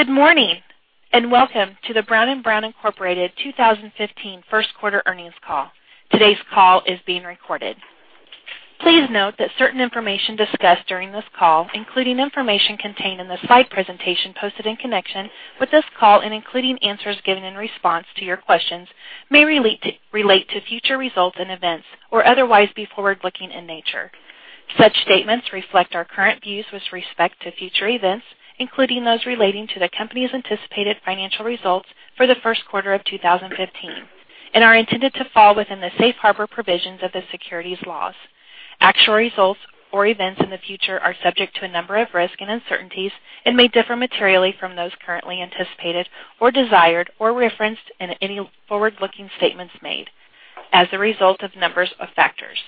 Good morning, and welcome to the Brown & Brown, Inc. 2015 first quarter earnings call. Today's call is being recorded. Please note that certain information discussed during this call, including information contained in the slide presentation posted in connection with this call and including answers given in response to your questions, may relate to future results and events or otherwise be forward-looking in nature. Such statements reflect our current views with respect to future events, including those relating to the company's anticipated financial results for the first quarter of 2015, and are intended to fall within the safe harbor provisions of the securities laws. Actual results or events in the future are subject to a number of risks and uncertainties and may differ materially from those currently anticipated or desired or referenced in any forward-looking statements made as a result of a number of factors.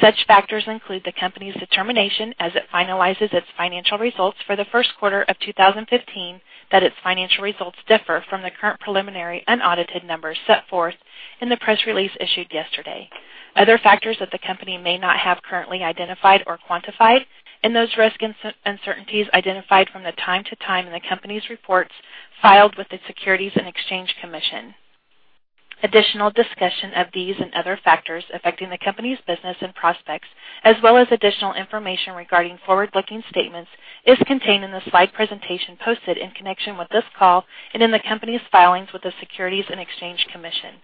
Such factors include the company's determination as it finalizes its financial results for the first quarter of 2015 that its financial results differ from the current preliminary unaudited numbers set forth in the press release issued yesterday. Other factors that the company may not have currently identified or quantified and those risks and uncertainties identified from time to time in the company's reports filed with the Securities and Exchange Commission. Additional discussion of these and other factors affecting the company's business and prospects, as well as additional information regarding forward-looking statements, is contained in the slide presentation posted in connection with this call and in the company's filings with the Securities and Exchange Commission.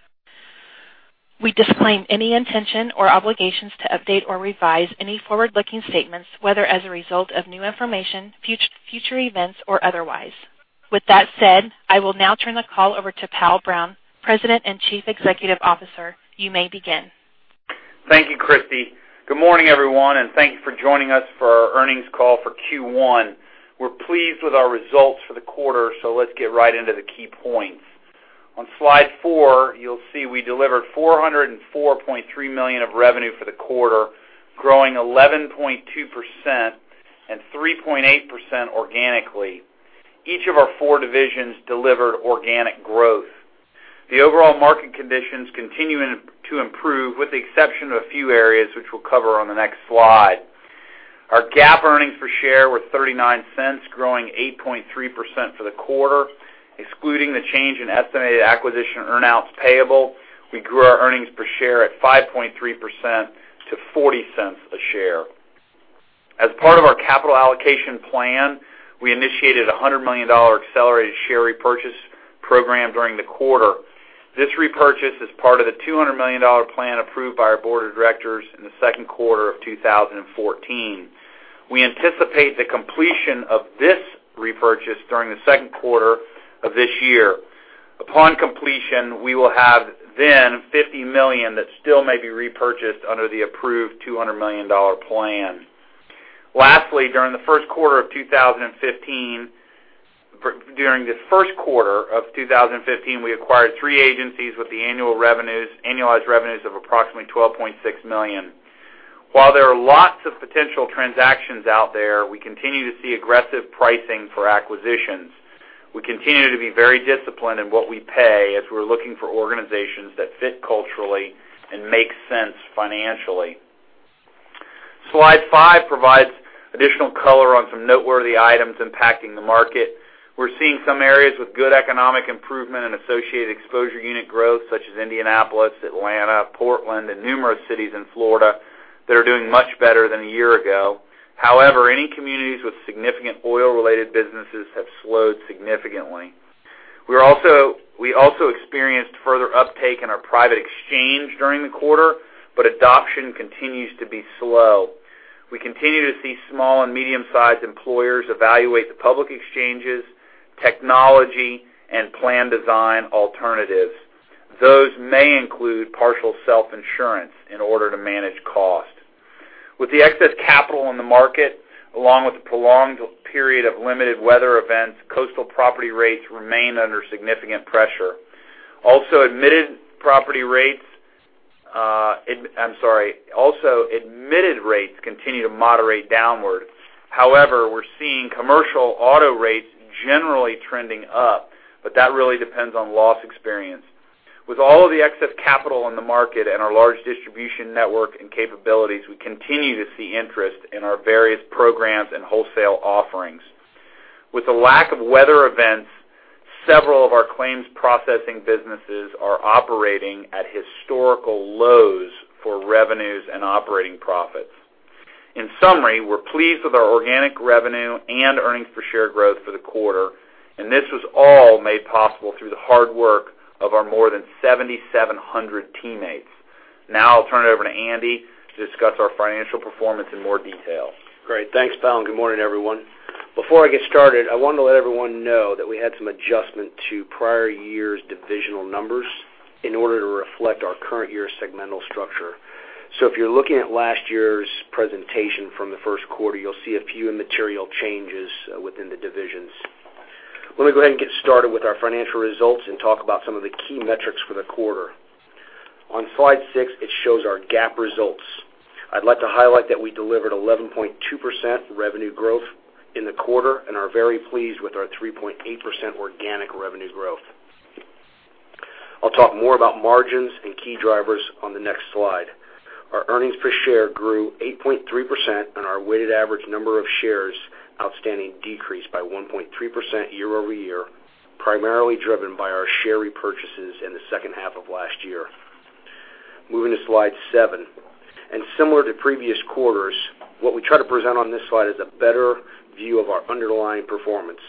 We disclaim any intention or obligations to update or revise any forward-looking statements, whether as a result of new information, future events, or otherwise. With that said, I will now turn the call over to Powell Brown, President and Chief Executive Officer. You may begin. Thank you, Christy. Good morning, everyone, and thank you for joining us for our earnings call for Q1. We're pleased with our results for the quarter, so let's get right into the key points. On slide four, you'll see we delivered $404.3 million of revenue for the quarter, growing 11.2% and 3.8% organically. Each of our four divisions delivered organic growth. The overall market conditions continue to improve with the exception of a few areas, which we'll cover on the next slide. Our GAAP earnings per share were $0.39, growing 8.3% for the quarter. Excluding the change in estimated acquisition earn-outs payable, we grew our earnings per share at 5.3% to $0.40 a share. As part of our capital allocation plan, we initiated a $100 million accelerated share repurchase program during the quarter. This repurchase is part of the $200 million plan approved by our board of directors in the second quarter of 2014. We anticipate the completion of this repurchase during the second quarter of this year. Upon completion, we will have then $50 million that still may be repurchased under the approved $200 million plan. Lastly, during the first quarter of 2015, we acquired three agencies with the annualized revenues of approximately $12.6 million. While there are lots of potential transactions out there, we continue to see aggressive pricing for acquisitions. We continue to be very disciplined in what we pay as we're looking for organizations that fit culturally and make sense financially. Slide five provides additional color on some noteworthy items impacting the market. We're seeing some areas with good economic improvement and associated exposure unit growth, such as Indianapolis, Atlanta, Portland, and numerous cities in Florida that are doing much better than a year ago. However, any communities with significant oil-related businesses have slowed significantly. We also experienced further uptake in our private exchange during the quarter, but adoption continues to be slow. We continue to see small and medium-sized employers evaluate the public exchanges, technology, and plan design alternatives. Those may include partial self-insurance in order to manage cost. With the excess capital in the market, along with the prolonged period of limited weather events, coastal property rates remain under significant pressure. Also, admitted rates continue to moderate downward. However, we're seeing commercial auto rates generally trending up, but that really depends on loss experience. With all of the excess capital in the market and our large distribution network and capabilities, we continue to see interest in our various programs and wholesale offerings. With the lack of weather events, several of our claims processing businesses are operating at historical lows for revenues and operating profits. In summary, we're pleased with our organic revenue and earnings per share growth for the quarter, and this was all made possible through the hard work of our more than 7,700 teammates. I'll turn it over to Andy to discuss our financial performance in more detail. Great. Thanks, Powell, good morning, everyone. Before I get started, I wanted to let everyone know that we had some adjustment to prior year's divisional numbers in order to reflect our current year segmental structure. If you're looking at last year's presentation from the first quarter, you'll see a few immaterial changes within the divisions. Let me go ahead and get started with our financial results and talk about some of the key metrics for the quarter. On slide six, it shows our GAAP results. I'd like to highlight that we delivered 11.2% revenue growth in the quarter and are very pleased with our 3.8% organic revenue growth. I'll talk more about margins and key drivers on the next slide. Our earnings per share grew 8.3% and our weighted average number of shares outstanding decreased by 1.3% year-over-year, primarily driven by our share repurchases in the second half of last year. Moving to slide seven, similar to previous quarters, what we try to present on this slide is a better view of our underlying performance.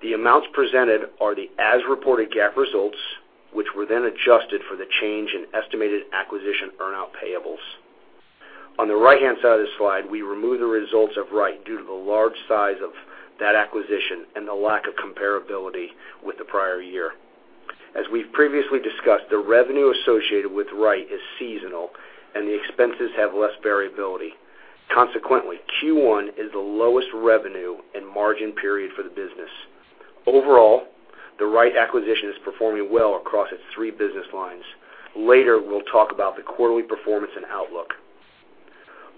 The amounts presented are the as-reported GAAP results, which were then adjusted for the change in estimated acquisition earnout payables. On the right-hand side of the slide, we remove the results of Wright due to the large size of that acquisition and the lack of comparability with the prior year. As we've previously discussed, the revenue associated with Wright is seasonal, and the expenses have less variability. Consequently, Q1 is the lowest revenue and margin period for the business. Overall, the Wright acquisition is performing well across its three business lines. Later, we'll talk about the quarterly performance and outlook.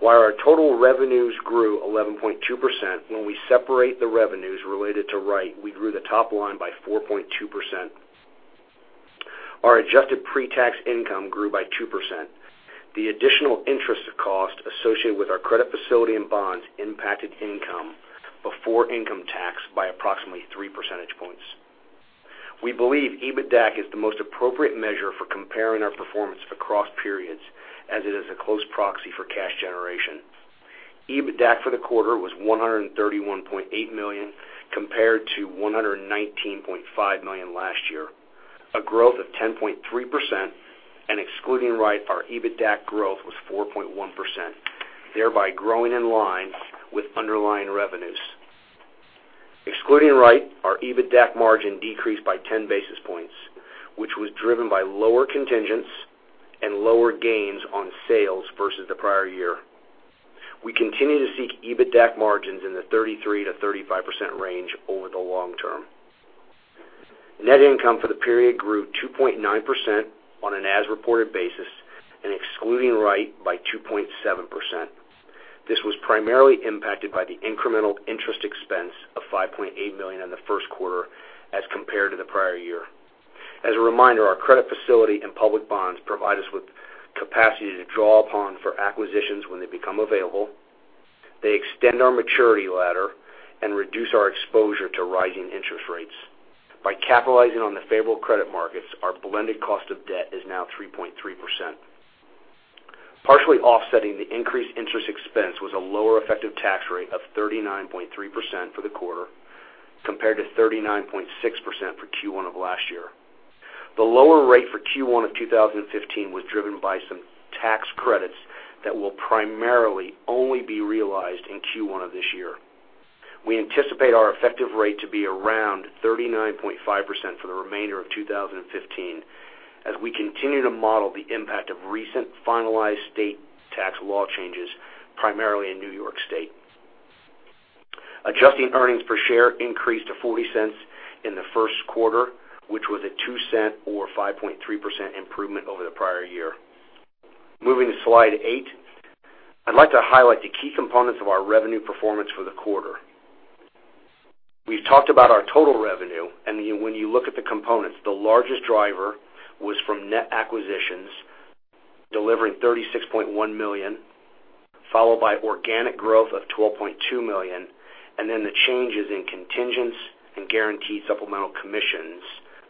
While our total revenues grew 11.2%, when we separate the revenues related to Wright, we grew the top line by 4.2%. Our adjusted pre-tax income grew by 2%. The additional interest cost associated with our credit facility and bonds impacted income before income tax by approximately three percentage points. We believe EBITDAC is the most appropriate measure for comparing our performance across periods, as it is a close proxy for cash generation. EBITDAC for the quarter was $131.8 million, compared to $119.5 million last year, a growth of 10.3%, and excluding Wright, our EBITDAC growth was 4.1%, thereby growing in line with underlying revenues. Excluding Wright, our EBITDAC margin decreased by 10 basis points, which was driven by lower contingents and lower gains on sales versus the prior year. We continue to seek EBITDAC margins in the 33%-35% range over the long term. Net income for the period grew 2.9% on an as-reported basis and excluding Wright by 2.7%. This was primarily impacted by the incremental interest expense of $5.8 million in the first quarter as compared to the prior year. As a reminder, our credit facility and public bonds provide us with capacity to draw upon for acquisitions when they become available. They extend our maturity ladder and reduce our exposure to rising interest rates. By capitalizing on the favorable credit markets, our blended cost of debt is now 3.3%. Partially offsetting the increased interest expense was a lower effective tax rate of 39.3% for the quarter, compared to 39.6% for Q1 of last year. The lower rate for Q1 of 2015 was driven by some tax credits that will primarily only be realized in Q1 of this year. We anticipate our effective rate to be around 39.5% for the remainder of 2015 as we continue to model the impact of recent finalized state tax law changes, primarily in New York State. Adjusting earnings per share increased to $0.40 in the first quarter, which was a $0.02 or 5.3% improvement over the prior year. Moving to slide eight, I'd like to highlight the key components of our revenue performance for the quarter. We've talked about our total revenue, and when you look at the components, the largest driver was from net acquisitions delivering $36.1 million, followed by organic growth of $12.2 million, and then the changes in contingents and Guaranteed Supplemental Commissions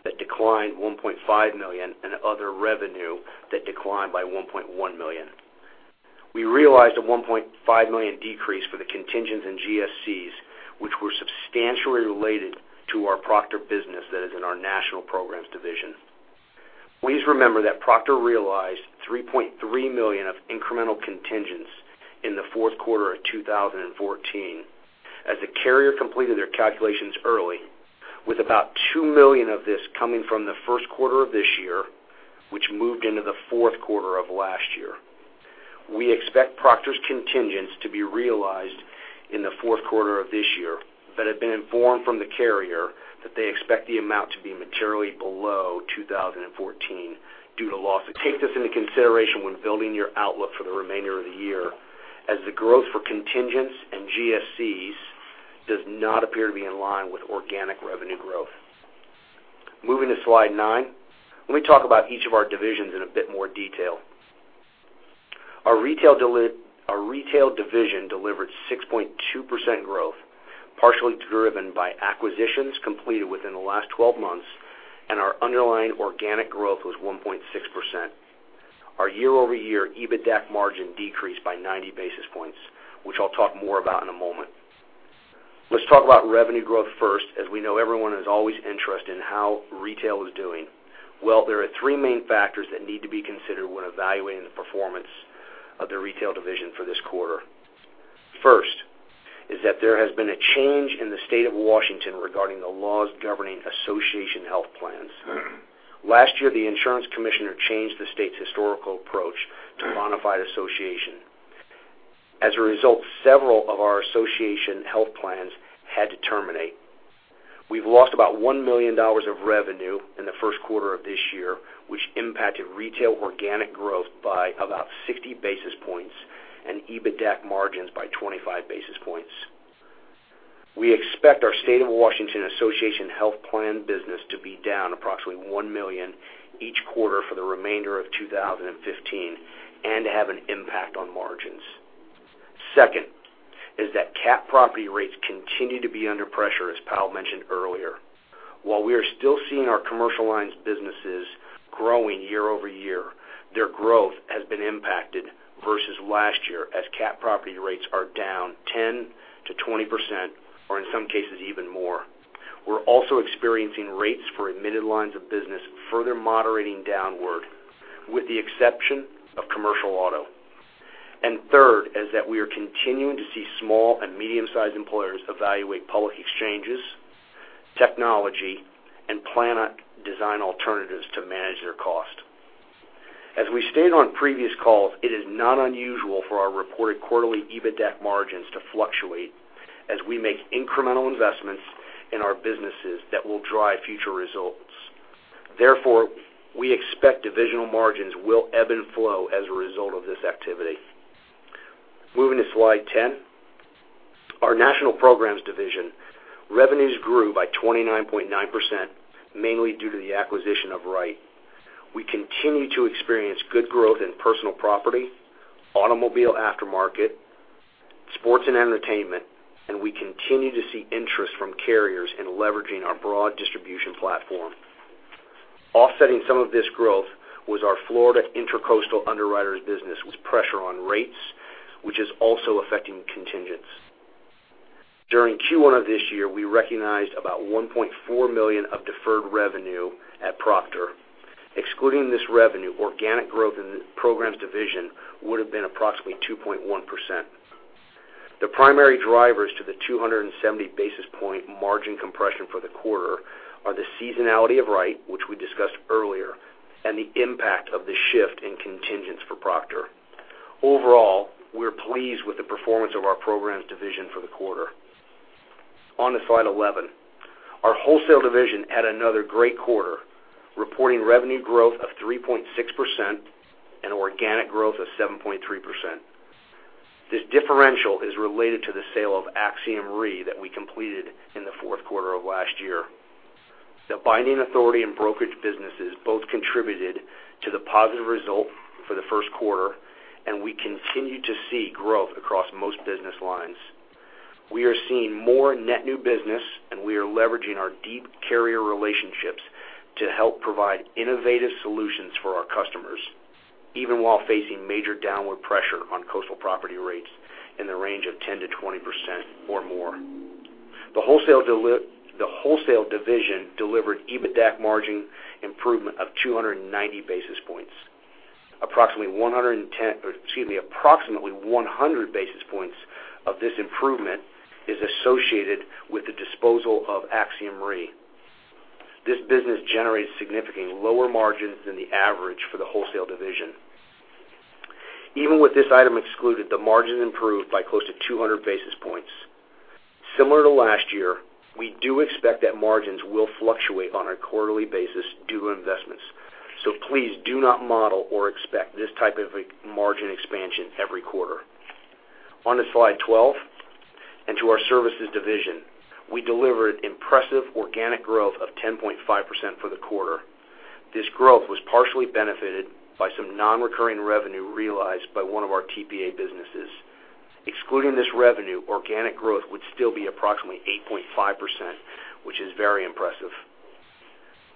that declined $1.5 million and other revenue that declined by $1.1 million. We realized a $1.5 million decrease for the contingents in GSCs, which were substantially related to our Proctor business that is in our National Programs division. Please remember that Proctor realized $3.3 million of incremental contingents in the fourth quarter of 2014 as the carrier completed their calculations early. About $2 million of this coming from the first quarter of this year, which moved into the fourth quarter of last year. We expect Proctor’s contingents to be realized in the fourth quarter of this year, but have been informed from the carrier that they expect the amount to be materially below 2014 due to losses. Take this into consideration when building your outlook for the remainder of the year, as the growth for contingents and GSCs does not appear to be in line with organic revenue growth. Moving to slide nine. Let me talk about each of our divisions in a bit more detail. Our Retail division delivered 6.2% growth, partially driven by acquisitions completed within the last 12 months, and our underlying organic growth was 1.6%. Our year-over-year EBITDAC margin decreased by 90 basis points, which I’ll talk more about in a moment. Let’s talk about revenue growth first, as we know everyone is always interested in how Retail is doing. There are three main factors that need to be considered when evaluating the performance of the Retail division for this quarter. First is that there has been a change in the State of Washington regarding the laws governing association health plans. Last year, the insurance commissioner changed the state’s historical approach to bona fide association. As a result, several of our association health plans had to terminate. We’ve lost about $1 million of revenue in the first quarter of this year, which impacted Retail organic growth by about 60 basis points and EBITDAC margins by 25 basis points. We expect our State of Washington Association Health Plan business to be down approximately $1 million each quarter for the remainder of 2015, and to have an impact on margins. Second is that cat property rates continue to be under pressure, as Powell mentioned earlier. While we are still seeing our commercial lines businesses growing year-over-year, their growth has been impacted versus last year as cat property rates are down 10%-20%, or in some cases even more. We’re also experiencing rates for admitted lines of business further moderating downward, with the exception of commercial auto. Third is that we are continuing to see small and medium-sized employers evaluate public exchanges, technology, and plan design alternatives to manage their cost. As we stated on previous calls, it is not unusual for our reported quarterly EBITDAC margins to fluctuate as we make incremental investments in our businesses that will drive future results. We expect divisional margins will ebb and flow as a result of this activity. Moving to slide 10. Our National Programs division revenues grew by 29.9%, mainly due to the acquisition of Wright. We continue to experience good growth in personal property, automobile aftermarket, sports and entertainment, and we continue to see interest from carriers in leveraging our broad distribution platform. Offsetting some of this growth was our Florida Intracoastal Underwriters business with pressure on rates, which is also affecting contingents. During Q1 of this year, we recognized about $1.4 million of deferred revenue at Proctor. Excluding this revenue, organic growth in the programs division would have been approximately 2.1%. The primary drivers to the 270 basis point margin compression for the quarter are the seasonality of Wright, which we discussed earlier, and the impact of the shift in contingents for Proctor. Overall, we're pleased with the performance of our programs division for the quarter. On to slide 11. Our wholesale division had another great quarter, reporting revenue growth of 3.6% and organic growth of 7.3%. This differential is related to the sale of Axiom Re that we completed in the fourth quarter of last year. The binding authority and brokerage businesses both contributed to the positive result for the first quarter, and we continue to see growth across most business lines. We are seeing more net new business. We are leveraging our deep carrier relationships to help provide innovative solutions for our customers, even while facing major downward pressure on coastal property rates in the range of 10%-20% or more. The wholesale division delivered EBITDAC margin improvement of 290 basis points. Approximately 100 basis points of this improvement is associated with the disposal of Axiom Re. This business generates significantly lower margins than the average for the wholesale division. Even with this item excluded, the margin improved by close to 200 basis points. Similar to last year, we do expect that margins will fluctuate on a quarterly basis due to investments, please do not model or expect this type of margin expansion every quarter. On to slide 12 and to our services division. We delivered impressive organic growth of 10.5% for the quarter. This growth was partially benefited by some non-recurring revenue realized by one of our TPA businesses. Excluding this revenue, organic growth would still be approximately 8.5%, which is very impressive.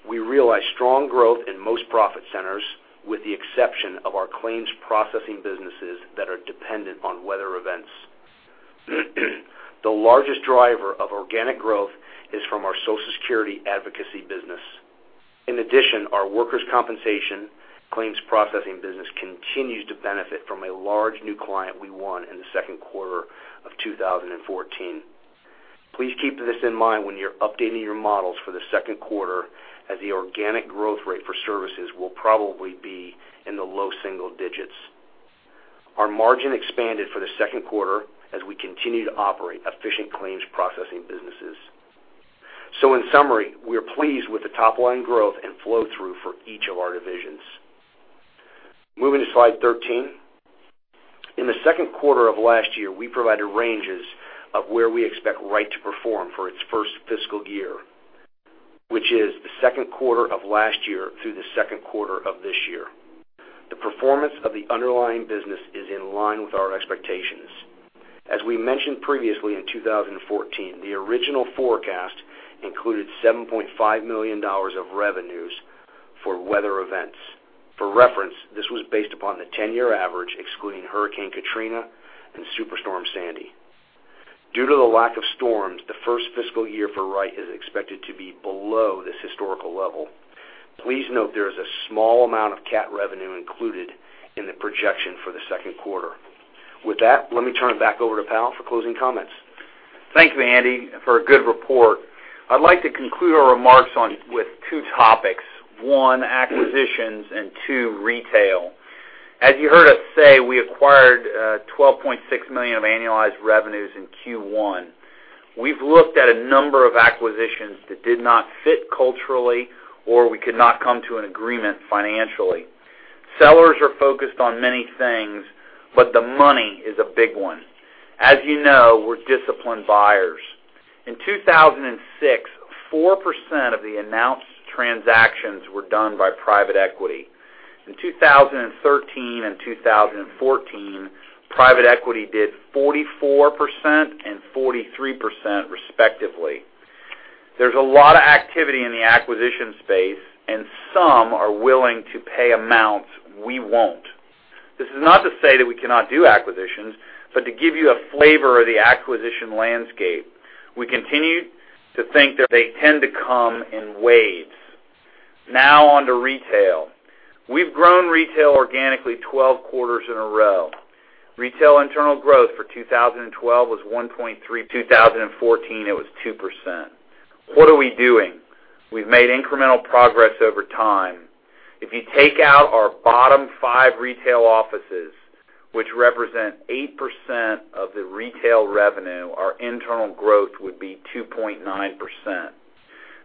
We realized strong growth in most profit centers, with the exception of our claims processing businesses that are dependent on weather events. The largest driver of organic growth is from our Social Security advocacy business. In addition, our workers' compensation claims processing business continues to benefit from a large new client we won in the second quarter of 2014. Please keep this in mind when you're updating your models for the second quarter, as the organic growth rate for services will probably be in the low single digits. Our margin expanded for the second quarter as we continue to operate efficient claims processing businesses. In summary, we are pleased with the top-line growth and flow-through for each of our divisions. Moving to slide 13. In the second quarter of last year, we provided ranges of where we expect Wright to perform for its first fiscal year, which is the second quarter of last year through the second quarter of this year. The performance of the underlying business is in line with our expectations. As we mentioned previously, in 2014, the original forecast included $7.5 million of revenues for weather events. For reference, this was based upon the 10-year average, excluding Hurricane Katrina and Superstorm Sandy. Due to the lack of storms, the first fiscal year for Wright is expected to be below this historical level. Please note there is a small amount of cat revenue included in the projection for the second quarter. With that, let me turn it back over to Powell for closing comments. Thank you, Andy, for a good report. I'd like to conclude our remarks with two topics. One, acquisitions, and two, retail. As you heard us say, we acquired $12.6 million of annualized revenues in Q1. We've looked at a number of acquisitions that did not fit culturally or we could not come to an agreement financially. Sellers are focused on many things, but the money is a big one. As you know, we're disciplined buyers. In 2006, 4% of the announced transactions were done by private equity. In 2013 and 2014, private equity did 44% and 43%, respectively. There's a lot of activity in the acquisition space, some are willing to pay amounts we won't. This is not to say that we cannot do acquisitions, but to give you a flavor of the acquisition landscape. We continue to think that they tend to come in waves. Now on to retail. We've grown retail organically 12 quarters in a row. Retail internal growth for 2012 was 1.3%. 2014, it was 2%. What are we doing? We've made incremental progress over time. If you take out our bottom five retail offices, which represent 8% of the retail revenue, our internal growth would be 2.9%.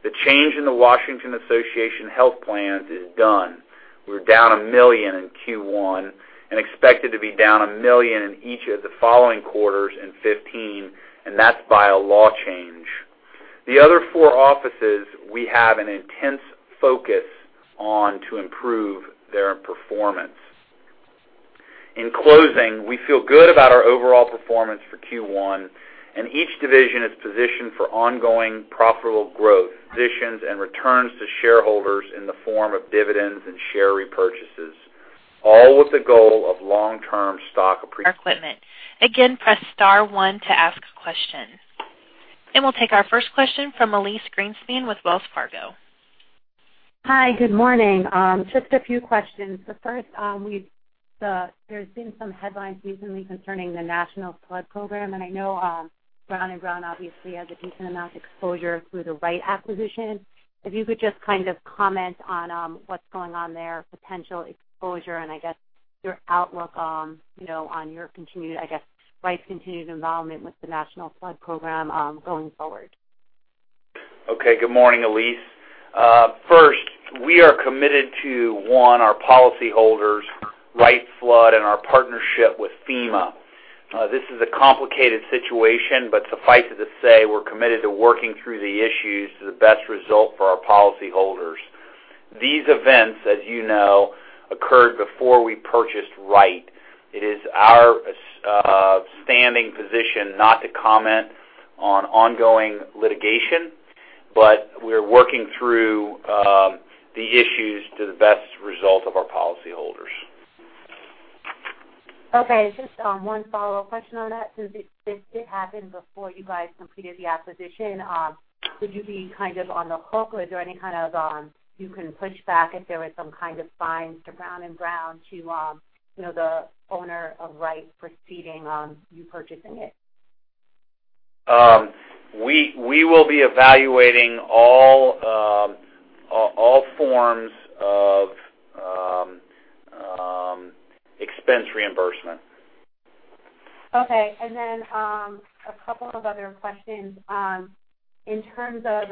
The change in the Washington Association Health Plans is done. We're down $1 million in Q1 and expected to be down $1 million in each of the following quarters in 2015, That's by a law change. The other four offices, we have an intense focus on to improve their performance. In closing, we feel good about our overall performance for Q1, each division is positioned for ongoing profitable growth, positions, and returns to shareholders in the form of dividends and share repurchases, all with the goal of long-term stock appreciation. Our equipment. Again, press * one to ask a question. We'll take our first question from Elyse Greenspan with Wells Fargo. Hi. Good morning. Just a few questions. The first, there's been some headlines recently concerning the National Flood Program, and I know Brown & Brown obviously has a decent amount of exposure through the Wright acquisition. If you could just kind of comment on what's going on there, potential exposure and I guess your outlook on your continued, I guess, Wright's continued involvement with the National Flood Program going forward. Okay. Good morning, Elyse. First, we are committed to, one, our policyholders, Wright's Flood, and our partnership with FEMA. This is a complicated situation. Suffice it to say, we're committed to working through the issues to the best result for our policyholders. These events, as you know, occurred before we purchased Wright. It is our standing position not to comment on ongoing litigation. We're working through the issues to the best result of our policyholders. Okay. Just one follow-up question on that, since this did happen before you guys completed the acquisition. Could you be kind of on the hook? Was there any kind of you can push back if there was some kind of fines to Brown & Brown to the owner of Wright preceding you purchasing it? We will be evaluating all forms of expense reimbursement. Okay. A couple of other questions. In terms of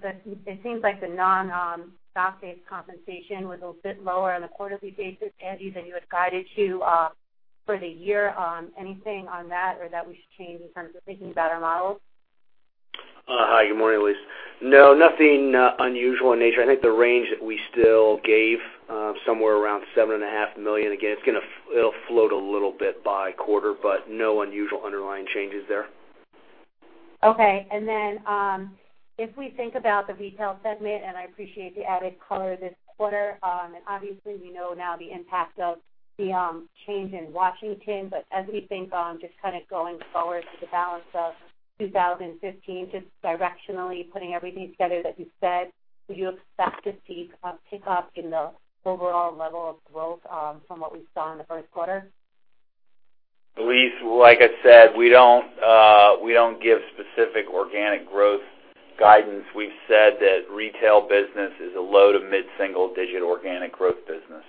the-- it seems like the non-stock-based compensation was a bit lower on a quarterly basis, Andy, than you had guided to for the year. Anything on that or that we should change in terms of thinking about our models? Hi. Good morning, Elyse. Nothing unusual in nature. I think the range that we still gave, somewhere around seven and a half million. Again, it'll float a little bit by quarter, no unusual underlying changes there. Okay. If we think about the retail segment, I appreciate the added color this quarter, obviously we know now the impact of the change in Washington. As we think just kind of going forward to the balance of 2015, just directionally putting everything together that you said, would you expect to see pick up in the overall level of growth from what we saw in the first quarter? Elyse, like I said, we don't give specific organic growth guidance. We've said that retail business is a low to mid-single digit organic growth business.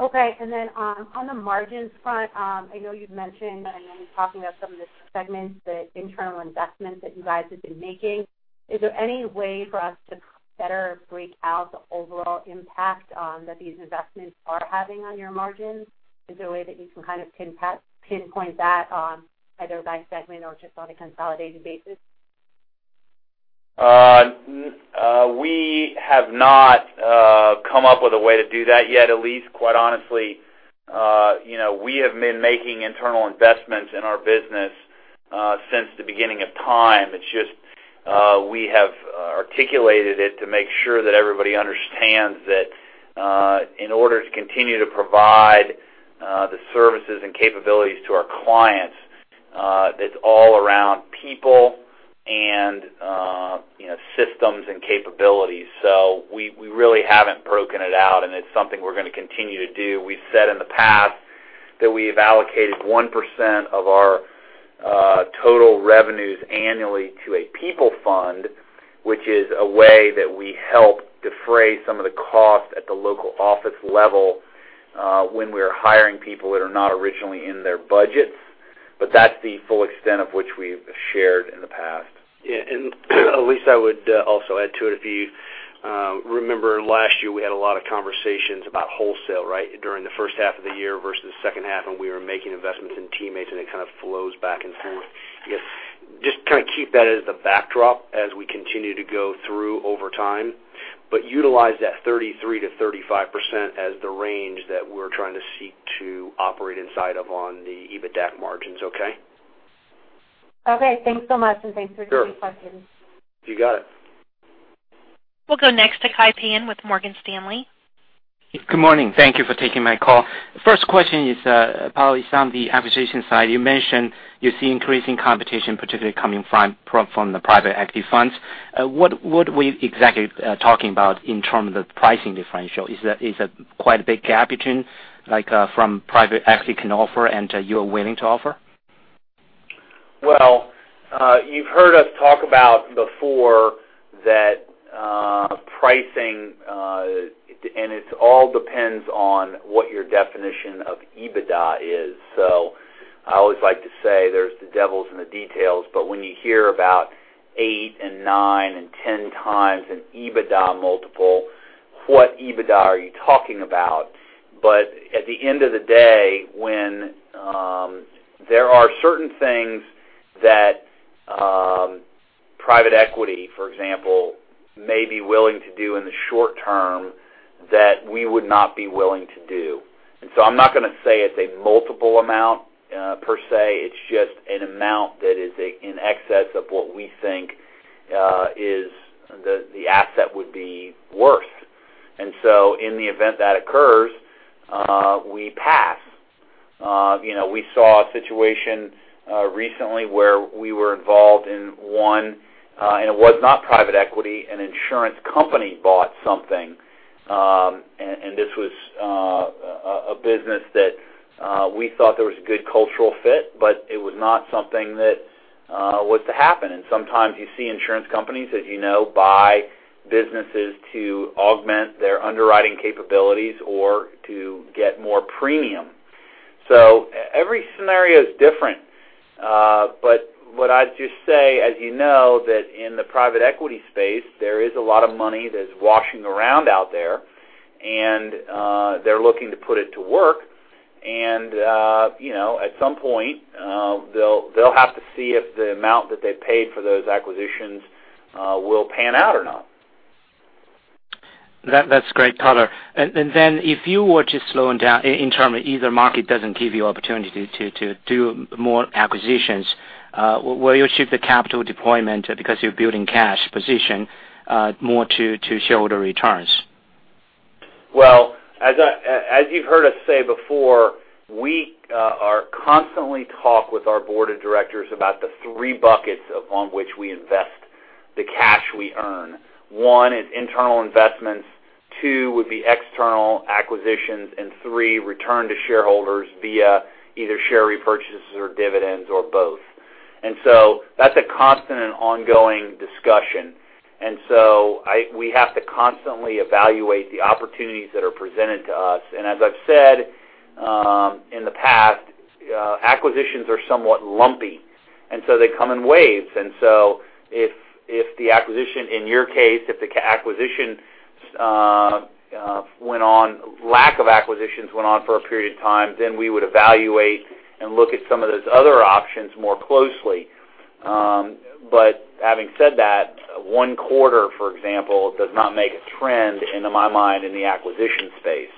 Okay. Then on the margins front, I know you'd mentioned and then talking about some of the segments, the internal investments that you guys have been making. Is there any way for us to better break out the overall impact that these investments are having on your margins? Is there a way that you can kind of pinpoint that, either by segment or just on a consolidated basis? We have not come up with a way to do that yet, Elyse. Quite honestly, we have been making internal investments in our business since the beginning of time. It's just we have articulated it to make sure that everybody understands that in order to continue to provide the services and capabilities to our clients, it's all around people and systems and capabilities. We really haven't broken it out, and it's something we're going to continue to do. We've said in the past that we have allocated 1% of our total revenues annually to a people fund, which is a way that we help defray some of the cost at the local office level when we're hiring people that are not originally in their budgets. That's the full extent of which we've shared in the past. Yeah. Elyse, I would also add to it, if you remember last year, we had a lot of conversations about wholesale, right, during the first half of the year versus second half, and we were making investments in teammates, and it kind of flows back and forth. Just kind of keep that as the backdrop as we continue to go through over time, but utilize that 33%-35% as the range that we're trying to seek to operate inside of on the EBITDAC margins, okay? Okay. Thanks so much. Thanks for taking the questions. Sure. You got it. We'll go next to Kai Pan with Morgan Stanley. Good morning. Thank you for taking my call. First question is, probably it's on the acquisition side. You mentioned you see increasing competition, particularly coming from the private equity funds. What are we exactly talking about in terms of the pricing differential? Is it quite a big gap between, like, from private equity can offer and you're willing to offer? You've heard us talk about before that pricing, and it all depends on what your definition of EBITDA is. I always like to say there's the devils in the details, but when you hear about eight and nine and 10 times an EBITDA multiple, what EBITDA are you talking about? At the end of the day, when there are certain things that private equity, for example, may be willing to do in the short term that we would not be willing to do. I'm not going to say it's a multiple amount per se, it's just an amount that is in excess of what we think is the asset would be worth. In the event that occurs, we pass. We saw a situation recently where we were involved in one, and it was not private equity, an insurance company bought something. This was a business that we thought there was a good cultural fit, but it was not something that was to happen. Sometimes you see insurance companies, as you know, buy businesses to augment their underwriting capabilities or to get more premium. Every scenario is different. What I'd just say, as you know, that in the private equity space, there is a lot of money that's washing around out there, and they're looking to put it to work. At some point, they'll have to see if the amount that they paid for those acquisitions will pan out or not. That's great color. If you were to slow down in terms of either market doesn't give you opportunity to do more acquisitions, will you shift the capital deployment because you're building cash position, more to shareholder returns? Well, as you've heard us say before, we are constantly talk with our board of directors about the three buckets upon which we invest the cash we earn. One is internal investments, two would be external acquisitions, and three, return to shareholders via either share repurchases or dividends or both. That's a constant and ongoing discussion. We have to constantly evaluate the opportunities that are presented to us. As I've said in the past, acquisitions are somewhat lumpy, they come in waves. If the acquisition, in your case, if the lack of acquisitions went on for a period of time, then we would evaluate and look at some of those other options more closely. Having said that, one quarter, for example, does not make a trend into my mind in the acquisition space.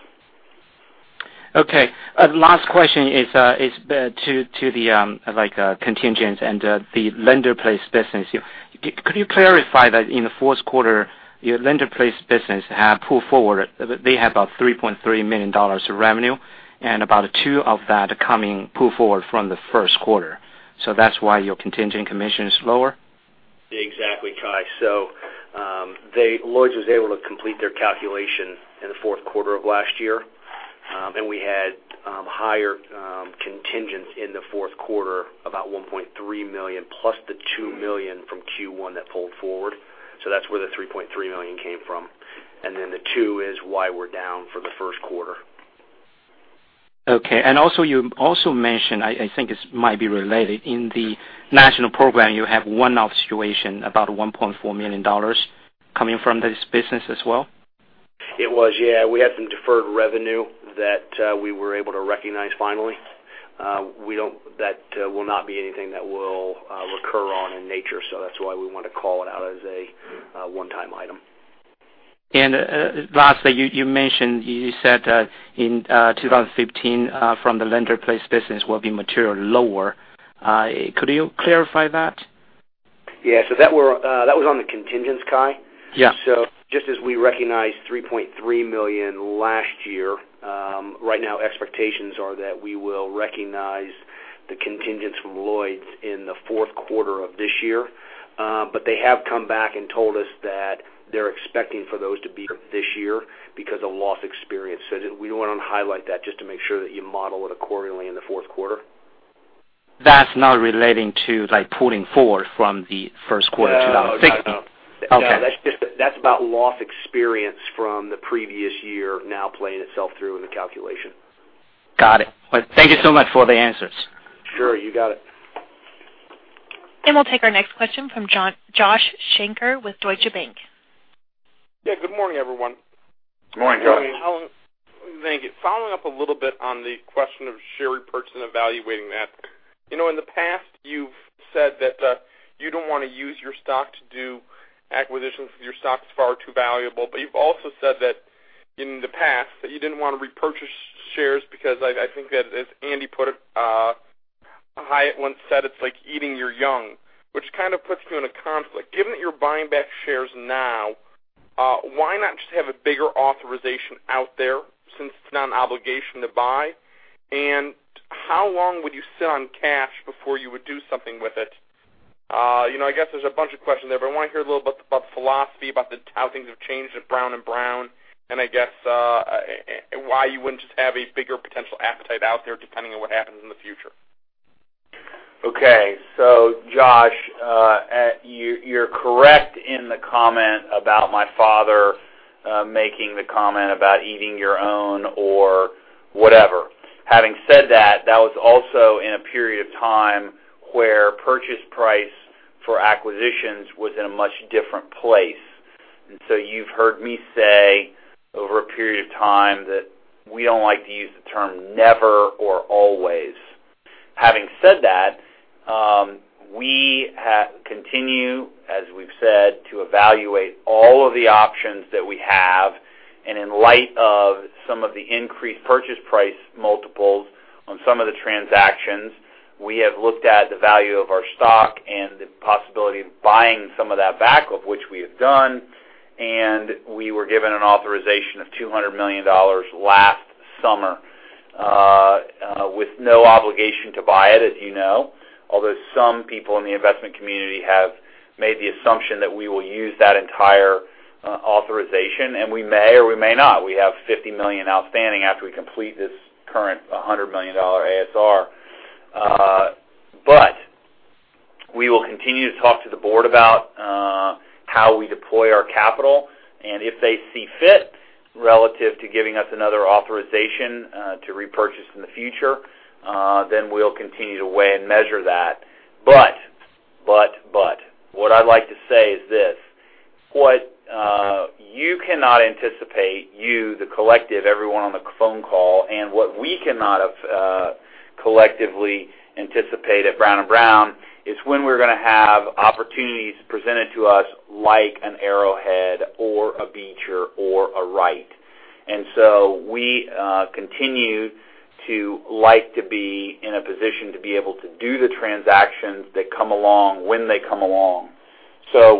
Okay. Last question is to the contingents and the lender-placed business. Could you clarify that in the fourth quarter, your lender-placed business has pulled forward? They have about $3.3 million of revenue and about $2 million of that coming pull forward from the first quarter. That's why your contingent commission is lower? Exactly, Kai. Lloyd's was able to complete their calculation in the fourth quarter of last year. We had higher contingents in the fourth quarter, about $1.3 million plus the $2 million from Q1 that pulled forward. That's where the $3.3 million came from. The 2 is why we're down for the first quarter. Okay. You also mentioned, I think it might be related, in the national program, you have one-off situation, about $1.4 million coming from this business as well? It was, yeah. We had some deferred revenue that we were able to recognize finally. That will not be anything that will recur on in nature, so that's why we want to call it out as a one-time item. Lastly, you mentioned, you said that in 2015, from the lender-placed business will be materially lower. Could you clarify that? Yeah. That was on the contingents, Kai. Yeah. Just as we recognized $3.3 million last year, right now expectations are that we will recognize the contingents from Lloyd's in the fourth quarter of this year. They have come back and told us that they're expecting for those to be this year because of loss experience. We want to highlight that just to make sure that you model it accordingly in the fourth quarter. That's not relating to pulling forward from the first quarter 2015? Okay. No, that's about loss experience from the previous year now playing itself through in the calculation. Got it. Thank you so much for the answers. Sure. You got it. We'll take our next question from Josh Shanker with Deutsche Bank. Yeah. Good morning, everyone. Morning, Josh. Thank you. Following up a little bit on the question of share repurchase and evaluating that. In the past, you've said that you don't want to use your stock to do acquisitions, your stock's far too valuable. You've also said that in the past that you didn't want to repurchase shares because I think that, as Andy put it, Hyatt once said, it's like eating your young, which kind of puts you in a conflict. Given that you're buying back shares now, why not just have a bigger authorization out there since it's not an obligation to buy? How long would you sit on cash before you would do something with it? I guess there's a bunch of questions there, I want to hear a little bit about the philosophy, about how things have changed at Brown & Brown, I guess why you wouldn't just have a bigger potential appetite out there, depending on what happens in the future. Okay. Josh, you're correct in the comment about my father making the comment about eating your own or whatever. Having said that was also in a period of time where purchase price for acquisitions was in a much different place. You've heard me say over a period of time that we don't like to use the term never or always. Having said that, we continue, as we've said, to evaluate all of the options that we have, in light of some of the increased purchase price multiples on some of the transactions, we have looked at the value of our stock and the possibility of buying some of that back, of which we have done. We were given an authorization of $200 million last summer, with no obligation to buy it, as you know. Although some people in the investment community have made the assumption that we will use that entire authorization, and we may or we may not. We have $50 million outstanding after we complete this current $100 million ASR. We will continue to talk to the board about how we deploy our capital, and if they see fit relative to giving us another authorization to repurchase in the future, we'll continue to weigh and measure that. What I'd like to say is this. What you cannot anticipate, you, the collective, everyone on the phone call, and what we cannot have collectively anticipate at Brown & Brown is when we're going to have opportunities presented to us like an Arrowhead or a Beecher or a Wright. We continue to like to be in a position to be able to do the transactions that come along when they come along.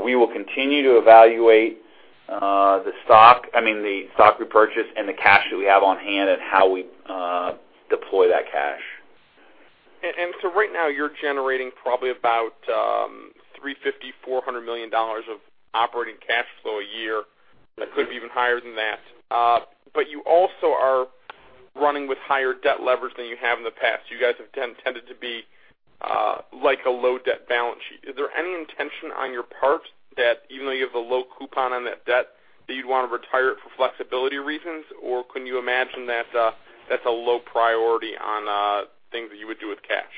We will continue to evaluate the stock repurchase, and the cash that we have on hand, and how we deploy that cash. Right now, you're generating probably about $350 million, $400 million of operating cash flow a year. That could be even higher than that. You also are running with higher debt leverage than you have in the past. You guys have tended to be like a low debt balance sheet. Is there any intention on your part that even though you have a low coupon on that debt, that you'd want to retire it for flexibility reasons? Can you imagine that's a low priority on things that you would do with cash?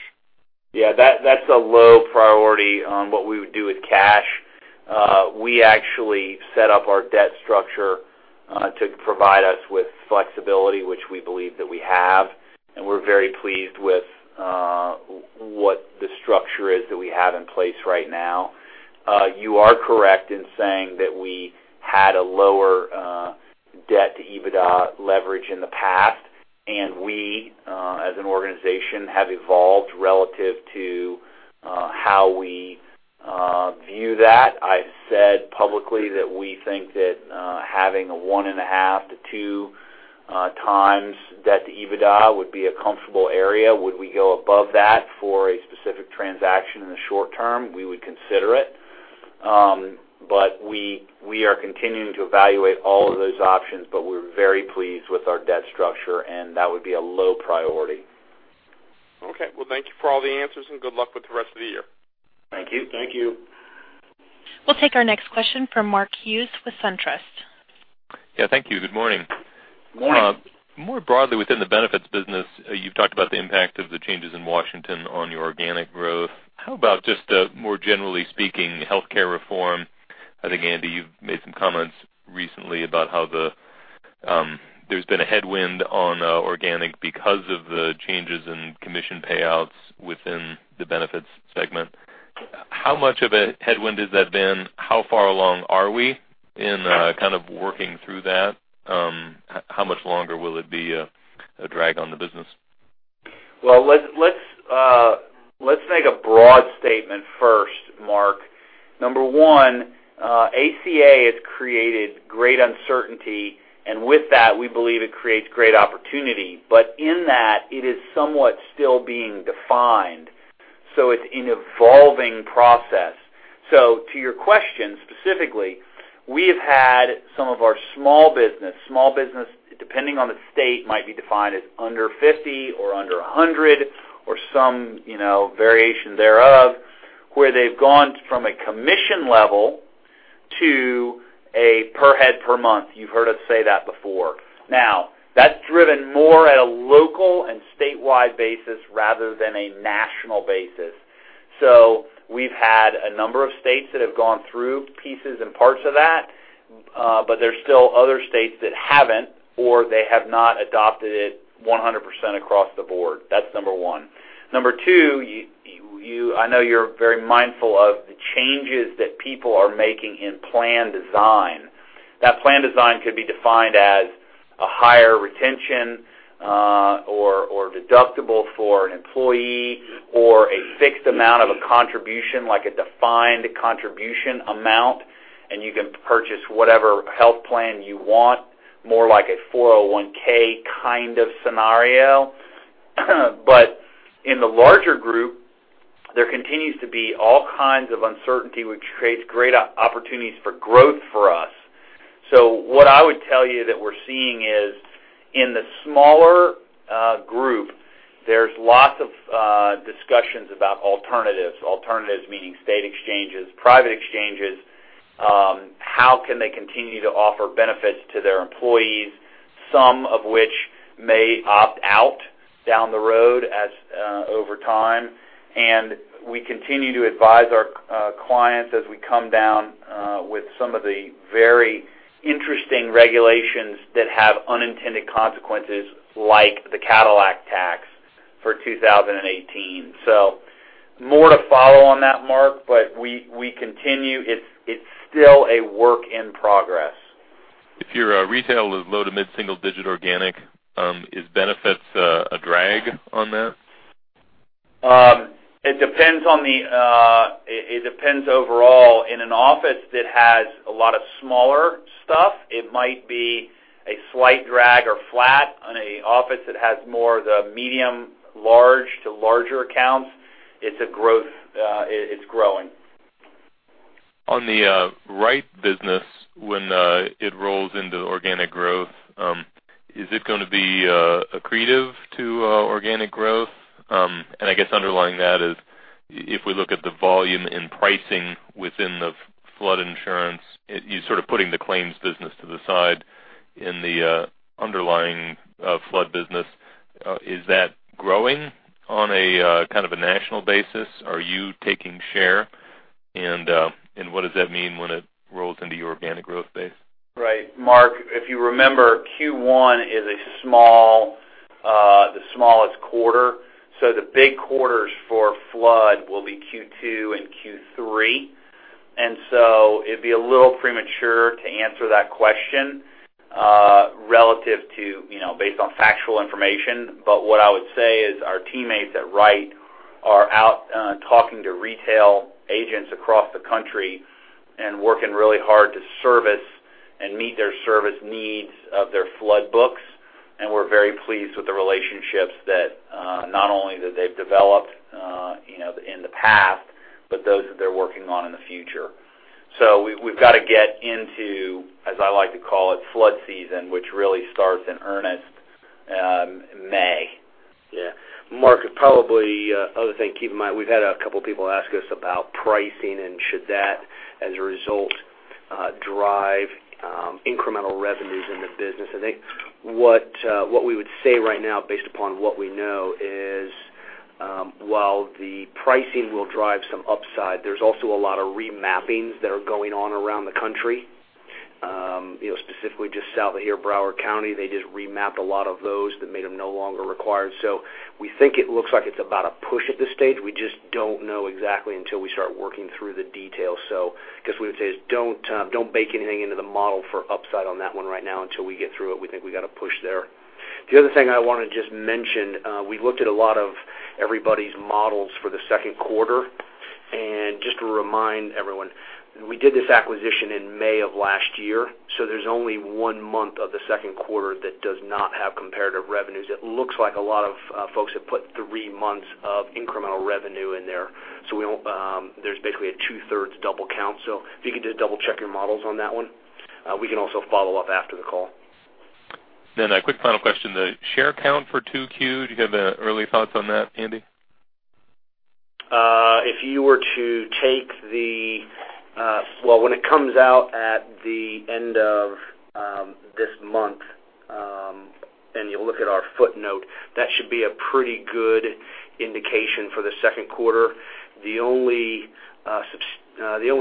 Yeah, that's a low priority on what we would do with cash. We actually set up our debt structure to provide us with flexibility, which we believe that we have, and we're very pleased with what the structure is that we have in place right now. You are correct in saying that we had a lower debt to EBITDA leverage in the past, and we, as an organization, have evolved relative to how we view that. I've said publicly that we think that having a one and a half to two times debt to EBITDA would be a comfortable area. Would we go above that for a specific transaction in the short term? We would consider it. We are continuing to evaluate all of those options, but we're very pleased with our debt structure, and that would be a low priority. Okay. Well, thank you for all the answers. Good luck with the rest of the year. Thank you. Thank you. We'll take our next question from Mark Hughes with SunTrust. Yeah, thank you. Good morning. Morning. More broadly within the benefits business, you've talked about the impact of the changes in Washington on your organic growth. How about just more generally speaking, healthcare reform? I think, Andy, you've made some comments recently about how there's been a headwind on organic because of the changes in commission payouts within the benefits segment. How much of a headwind has that been? How far along are we in kind of working through that? How much longer will it be a drag on the business? Well, let's make a broad statement first, Mark. Number one, ACA has created great uncertainty. With that, we believe it creates great opportunity. In that, it is somewhat still being defined. It's an evolving process. To your question, specifically, we have had some of our small business, depending on the state, might be defined as under 50 or under 100, or some variation thereof, where they've gone from a commission level to a per head, per month. You've heard us say that before. Now, that's driven more at a local and statewide basis rather than a national basis. There's still other states that haven't, or they have not adopted it 100% across the board. That's number one. Number two, I know you're very mindful of the changes that people are making in plan design. That plan design could be defined as a higher retention or deductible for an employee or a fixed amount of a contribution, like a defined contribution amount. You can purchase whatever health plan you want, more like a 401 kind of scenario. In the larger group, there continues to be all kinds of uncertainty, which creates great opportunities for growth for us. What I would tell you that we're seeing is in the smaller group, there's lots of discussions about alternatives. Alternatives meaning state exchanges, private exchanges, how can they continue to offer benefits to their employees, some of which may opt out down the road as over time. We continue to advise our clients as we come down with some of the very interesting regulations that have unintended consequences, like the Cadillac tax for 2018. More to follow on that, Mark, but we continue. It's still a work in progress. If your retail is low to mid-single digit organic, is benefits a drag on that? It depends overall. In an office that has a lot of smaller stuff, it might be a slight drag or flat. On an office that has more of the medium, large to larger accounts, it's growing. On the Wright business, when it rolls into organic growth, is it going to be accretive to organic growth? I guess underlying that is, if we look at the volume in pricing within the flood insurance, you're sort of putting the claims business to the side in the underlying flood business. Is that growing on a kind of a national basis? Are you taking share? What does that mean when it rolls into your organic growth base? Mark Hughes, if you remember, Q1 is the smallest quarter. The big quarters for flood will be Q2 and Q3. It would be a little premature to answer that question relative to based on factual information. What I would say is our teammates at Wright are out talking to retail agents across the country, and working really hard to service and meet their service needs of their flood books. We're very pleased with the relationships that not only that they've developed in the past, but those that they're working on in the future. We've got to get into, as I like to call it, flood season, which really starts in earnest in May. Mark Hughes, probably other thing to keep in mind, we've had a couple people ask us about pricing and should that, as a result, drive incremental revenues in the business. I think what we would say right now, based upon what we know, is while the pricing will drive some upside, there's also a lot of remappings that are going on around the country. Specifically just south of here, Broward County, they just remapped a lot of those that made them no longer required. We think it looks like it's about a push at this stage. We just don't know exactly until we start working through the details. I guess we would say is don't bake anything into the model for upside on that one right now until we get through it. We think we got a push there. The other thing I want to just mention, we've looked at a lot of everybody's models for the second quarter. Just to remind everyone, we did this acquisition in May of last year, there's only one month of the second quarter that does not have comparative revenues. It looks like a lot of folks have put three months of incremental revenue in there. There's basically a two-thirds double count. If you can just double check your models on that one. We can also follow up after the call. A quick final question. The share count for 2Q, do you have early thoughts on that, Andy? If you were to take well, when it comes out at the end of this month, and you look at our footnote, that should be a pretty good indication for the second quarter. The only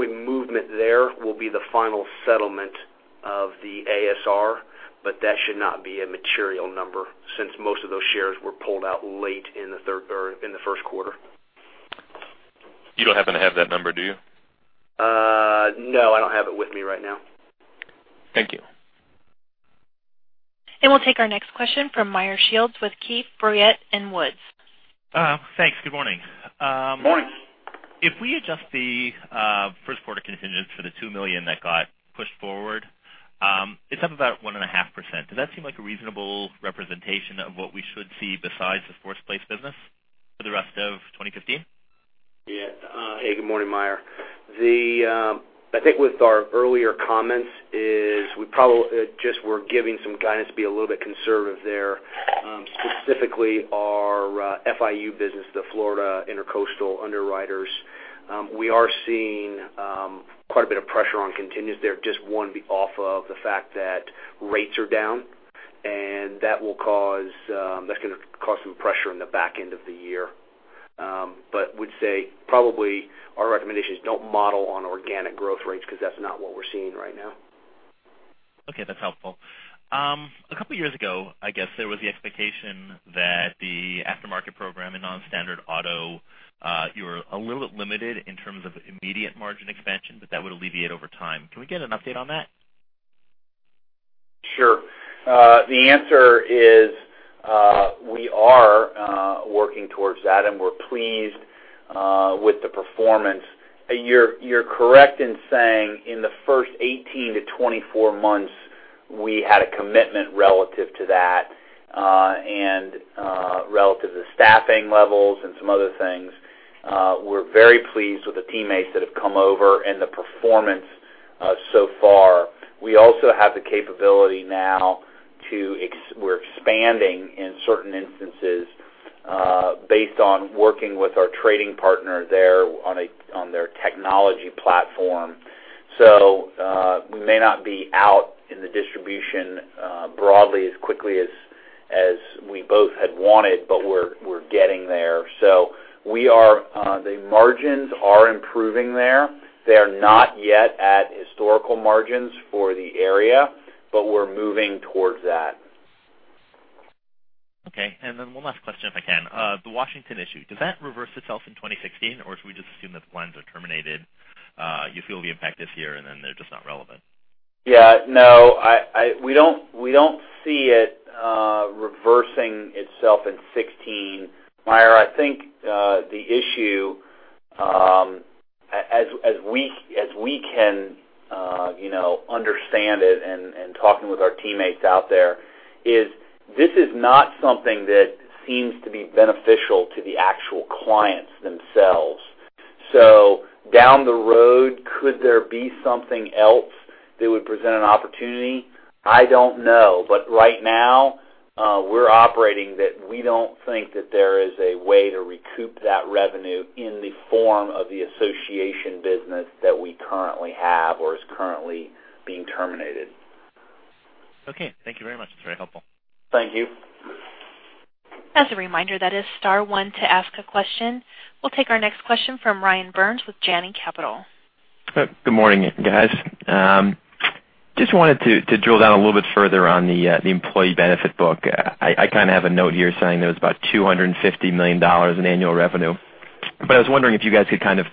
movement there will be the final settlement of the ASR. That should not be a material number since most of those shares were pulled out late in the first quarter. You don't happen to have that number, do you? No, I don't have it with me right now. Thank you. We'll take our next question from Meyer Shields with Keefe, Bruyette & Woods. Thanks. Good morning. Morning. If we adjust the first quarter contingent for the $2 million that got pushed forward, it's up about 1.5%. Does that seem like a reasonable representation of what we should see besides the force-placed business for the rest of 2015? Yeah. Hey, good morning, Meyer. I think with our earlier comments is we probably just were giving some guidance to be a little bit conservative there. Specifically our FIU business, the Florida Intracoastal Underwriters. We are seeing quite a bit of pressure on contingents there. Just one off of the fact that rates are down, that's going to cause some pressure in the back end of the year. Would say probably our recommendation is don't model on organic growth rates because that's not what we're seeing right now. Okay, that's helpful. A couple of years ago, I guess, there was the expectation that the aftermarket program in non-standard auto, you were a little bit limited in terms of immediate margin expansion, but that would alleviate over time. Can we get an update on that? Sure. The answer is, we are working towards that. We're pleased with the performance. You're correct in saying in the first 18-24 months, we had a commitment relative to that and relative to staffing levels and some other things. We're very pleased with the teammates that have come over and the performance so far. We also have the capability now. We're expanding in certain instances, based on working with our trading partner there on their technology platform. We may not be out in the distribution broadly as quickly as we both had wanted, but we're getting there. The margins are improving there. They are not yet at historical margins for the area, but we're moving towards that. Okay, one last question, if I can. The Washington issue, does that reverse itself in 2016, or should we just assume that the lines are terminated, you feel the impact this year, and they're just not relevant? Yeah. No, we don't see it reversing itself in 2016. Meyer, I think, the issue, as we can understand it and talking with our teammates out there is this is not something that seems to be beneficial to the actual clients themselves. Down the road, could there be something else that would present an opportunity? I don't know. Right now, we're operating that we don't think that there is a way to recoup that revenue in the form of the association business that we currently have or is currently being terminated. Okay. Thank you very much. That's very helpful. Thank you. As a reminder, that is star one to ask a question. We'll take our next question from Ryan Burns with Janney Capital. Good morning, guys. Just wanted to drill down a little bit further on the employee benefit book. I have a note here saying that it was about $250 million in annual revenue. I was wondering if you guys could kind of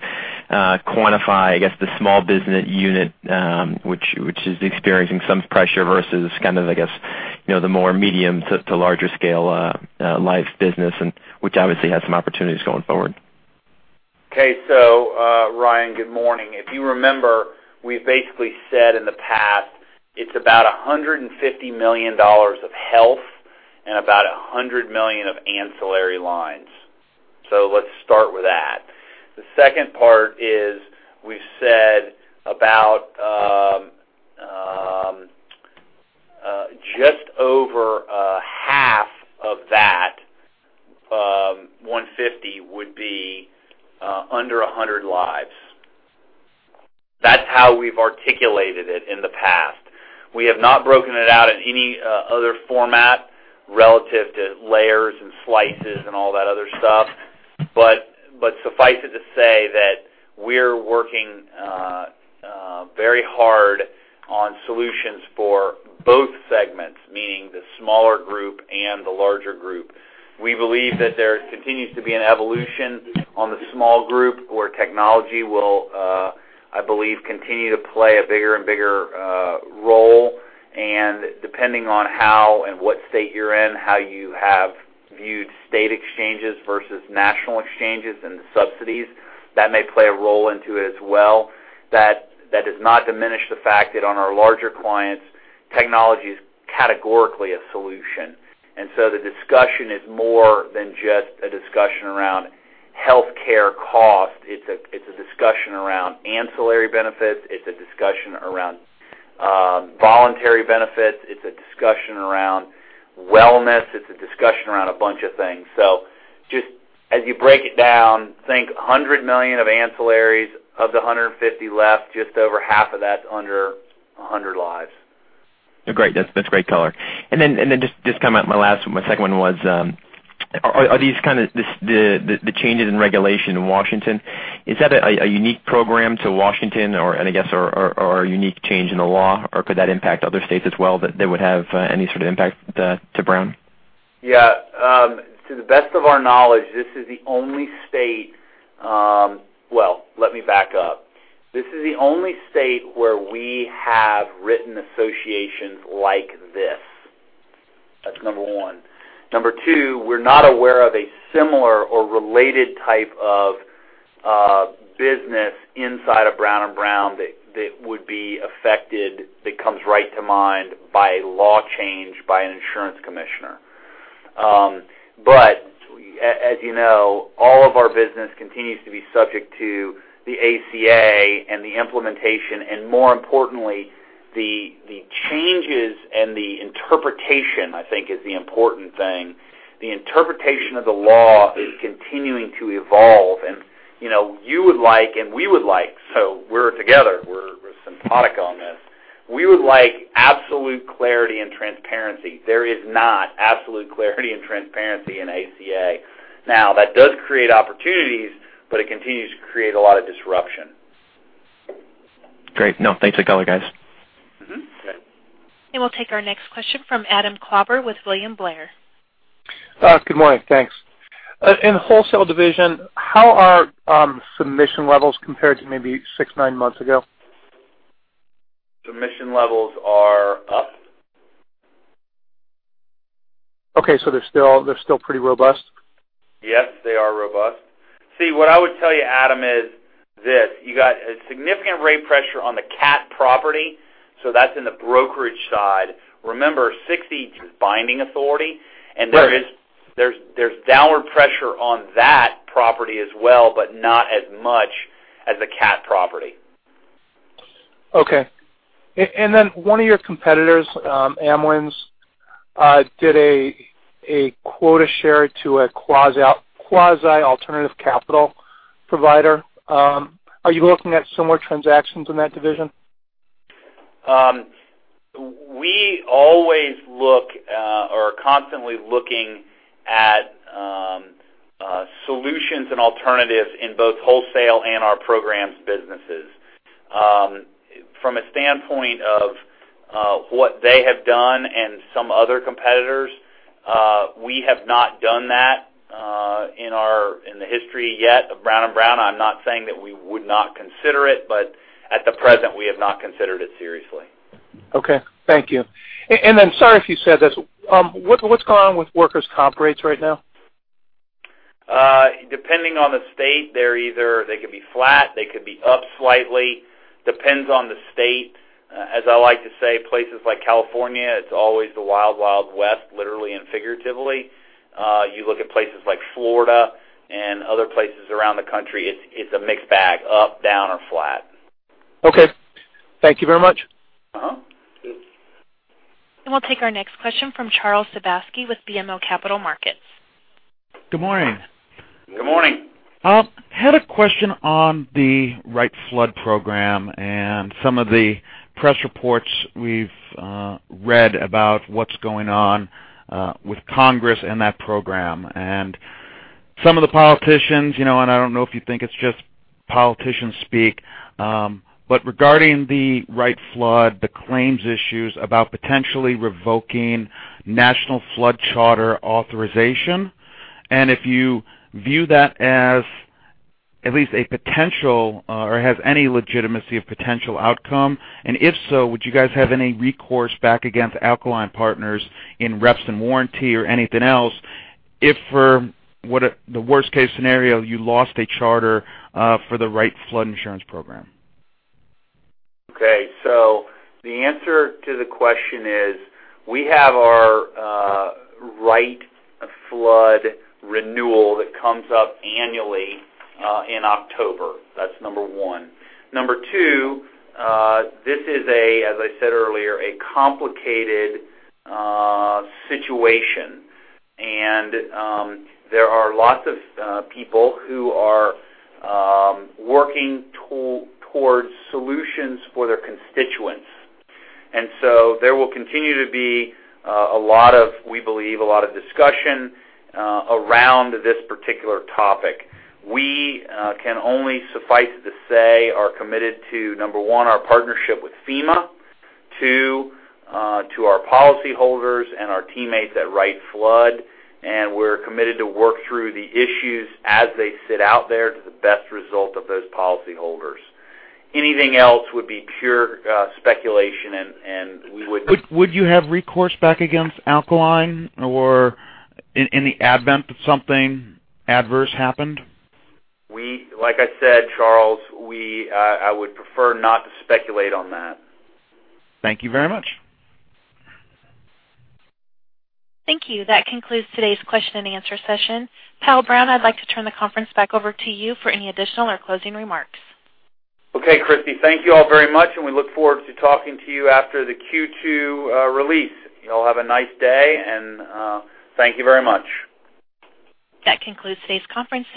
quantify, I guess, the small business unit, which is experiencing some pressure versus, I guess, the more medium to larger scale life business, and which obviously has some opportunities going forward. Okay. Ryan, good morning. If you remember, we've basically said in the past, it's about $150 million of health and about $100 million of ancillary lines. Let's start with that. The second part is, we've said about just over half of that, 150 would be under 100 lives. That's how we've articulated it in the past. We have not broken it out in any other format relative to layers and slices and all that other stuff. Suffice it to say that we're working very hard on solutions for both segments, meaning the smaller group and the larger group. We believe that there continues to be an evolution on the small group where technology will, I believe, continue to play a bigger and bigger role. Depending on how and what state you're in, how you have viewed state exchanges versus national exchanges and the subsidies, that may play a role into it as well. That does not diminish the fact that on our larger clients, technology is categorically a solution. The discussion is more than just a discussion around healthcare cost. It's a discussion around ancillary benefits. It's a discussion around voluntary benefits. It's a discussion around wellness. It's a discussion around a bunch of things. Just as you break it down, think $100 million of ancillaries. Of the 150 left, just over half of that's under 100 lives. Great. That's great color. Just my last, my second one was, are these kind of the changes in regulation in Washington? Is that a unique program to Washington or a unique change in the law? Could that impact other states as well, that they would have any sort of impact to Brown? Yeah. To the best of our knowledge, this is the only state, well, let me back up. This is the only state where we have written associations like this. That's number one. Number two, we're not aware of a similar or related type of business inside of Brown & Brown that would be affected, that comes right to mind by a law change by an insurance commissioner. As you know, all of our business continues to be subject to the ACA and the implementation, and more importantly, the changes and the interpretation, I think, is the important thing. The interpretation of the law is continuing to evolve and you would like and we would like, we're together, we're sympatico on this. We would like absolute clarity and transparency. There is not absolute clarity and transparency in ACA. That does create opportunities, but it continues to create a lot of disruption. Great. Thanks a lot, guys. Okay. We'll take our next question from Adam Klauber with William Blair. Good morning, thanks. In wholesale division, how are submission levels compared to maybe six, nine months ago? Submission levels are up. Okay. They're still pretty robust? Yes, they are robust. See, what I would tell you, Adam, is this. You got a significant rate pressure on the cat property, so that's in the brokerage side. Remember, 60 is binding authority. Right. There's downward pressure on that property as well, but not as much as the cat property. Okay. One of your competitors, Amwins, did a quota share to a quasi alternative capital provider. Are you looking at similar transactions in that division? We always look or are constantly looking at solutions and alternatives in both wholesale and our programs businesses. From a standpoint of what they have done and some other competitors, we have not done that in the history yet of Brown & Brown. I'm not saying that we would not consider it, but at the present, we have not considered it seriously. Okay, thank you. Sorry if you said this, what's going on with workers' comp rates right now? Depending on the state, they could be flat, they could be up slightly. Depends on the state. As I like to say, places like California, it's always the Wild West, literally and figuratively. You look at places like Florida and other places around the country, it's a mixed bag, up, down, or flat. Okay. Thank you very much. We'll take our next question from Charles Sebaski with BMO Capital Markets. Good morning. Good morning. Had a question on the Wright Flood program and some of the press reports we've read about what's going on with Congress and that program. Some of the politicians, and I don't know if you think it's just politicians speak, but regarding the Wright Flood, the claims issues about potentially revoking National Flood Charter authorization. If you view that as at least a potential, or has any legitimacy of potential outcome. If so, would you guys have any recourse back against Aquiline Partners in reps and warranty or anything else if for the worst case scenario, you lost a charter for the Wright Flood Insurance program? Okay. The answer to the question is, we have our Wright Flood renewal that comes up annually in October. That's number one. Number two, this is a, as I said earlier, a complicated situation. There are lots of people who are working towards solutions for their constituents. There will continue to be, we believe, a lot of discussion around this particular topic. We can only suffice to say are committed to, number one, our partnership with FEMA, two, to our policyholders and our teammates at Wright Flood, and we're committed to work through the issues as they sit out there to the best result of those policyholders. Anything else would be pure speculation, and we would. Would you have recourse back against Aquiline or in the event that something adverse happened? Like I said, Charles, I would prefer not to speculate on that. Thank you very much. Thank you. That concludes today's question and answer session. Powell Brown, I'd like to turn the conference back over to you for any additional or closing remarks. Okay, Christy, thank you all very much, and we look forward to talking to you after the Q2 release. You all have a nice day, and thank you very much. That concludes today's conference.